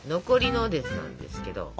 残りのなんですけど。